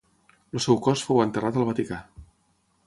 El seu cos fou enterrat al Vaticà.